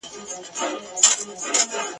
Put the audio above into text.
هغه اولس به اخته په ویر وي !.